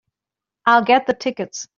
I'll get the tickets.